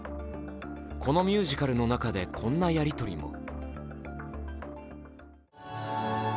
このミュージカルの中で、こんなやりとりも。